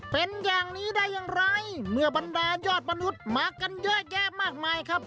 เป็นอย่างนี้ได้อย่างไรเมื่อบรรดายอดมนุษย์มากันเยอะแยะมากมายครับ